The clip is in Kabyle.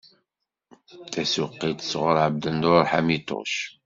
Tasuqqilt sɣur Ɛebdnnur Ḥamituc.